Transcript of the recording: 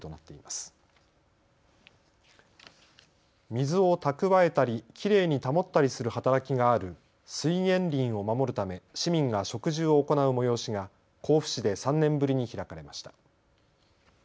水を蓄えたりきれいに保ったりする働きがある水源林を守るため市民が植樹を行う催しが甲府市で３年ぶりに開かれました。